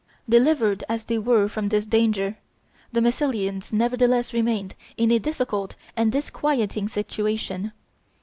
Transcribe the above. Delivered as they were from this danger, the Massilians nevertheless remained in a difficult and disquieting situation.